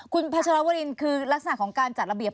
คุณพัชรวรินคือลักษณะของการจัดระเบียบ